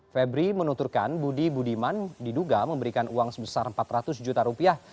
febri menunturkan budi budiman diduga memberikan uang sebesar empat ratus juta rupiah